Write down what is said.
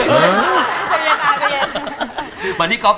ตกกันเลยไหมฮะตกกันเลย